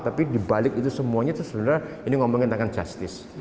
tapi dibalik itu semuanya itu sebenarnya ini ngomongin tentang justice